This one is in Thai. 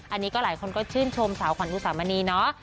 อันนี้ก็หลายคนก็ชื่นชมสาวขวัญอุสามณีเนาะ